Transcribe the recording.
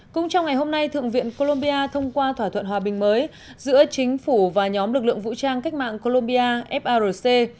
cũng trong ngày hôm nay thượng viện colombia thông qua thỏa thuận hòa bình mới giữa chính phủ và nhóm lực lượng vũ trang cách mạng colombia frc